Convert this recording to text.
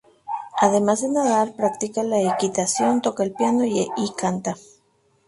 Además de nadar, practica la equitación, toca el piano y canta.